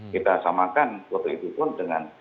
kita samakan foto itu pun dengan